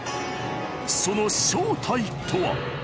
その正体とは？